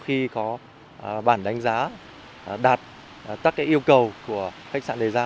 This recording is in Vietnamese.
do bản đánh giá đạt tất cả yêu cầu của khách sạn đề ra